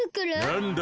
なんだ？